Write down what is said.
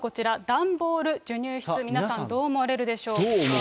段ボール授乳室、皆さん、どう思われますでしょうか。